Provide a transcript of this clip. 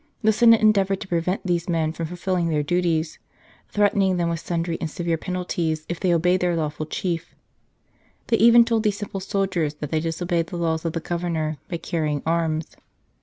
The Senate endeavoured to prevent these men from fulfilling their duties, threatening them with sundry and severe penalties if they obeyed their lawful chief. They even told these simple soldiers that they disobeyed the laws of the Governor by carrying arms.